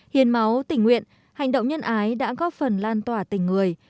hiến máu tình nguyện hành động nhân ái đã góp phần lan tỏa tình người